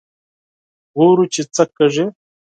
ګورو چې څه کېږي.